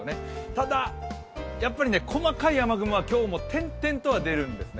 ただ、やっぱり細かい雨雲は今日も点々とは出るんですね。